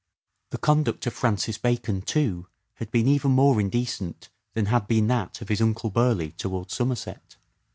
The conduct of Francis Bacon, too, had been even more indecent than had been that of his uncle Burleigh towards Somerset.